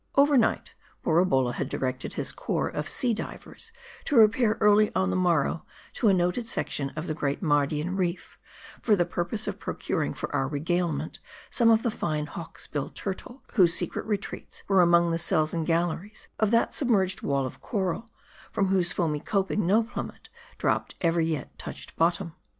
Overnight, Borabolla had directed his corps of sea divers to repair early on the morrow, to a noted section of the great Mardian reef, for the purpose of procuring for our re galement some of the fine Hawk's bill turtle, whose secret retreats were among the cells and galleries of that submerged wall of coral, from whose foamy coping no plummet dropped ever yet touched bottom.